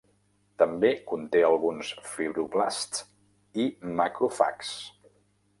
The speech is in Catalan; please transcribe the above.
També conté alguns fibroblasts i macròfags.